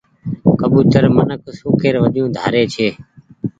ڪبوتر منک شوکي وجون ڍاري ڇي۔